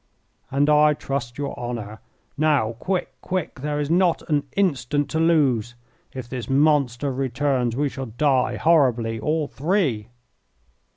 "And I trust your honour. Now, quick, quick, there is not an instant to lose! If this monster returns we shall die horribly, all three."